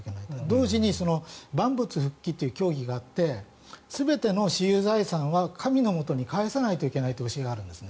同時に万物復帰という教義があって全ての私有財産は神のもとに返さなければいけないという教えがあるんです。